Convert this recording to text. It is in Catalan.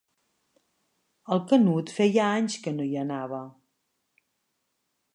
El Canut feia anys que no hi anava.